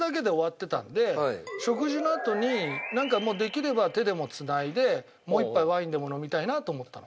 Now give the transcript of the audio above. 食事のあとになんかもうできれば手でも繋いでもう１杯ワインでも飲みたいなと思ったの。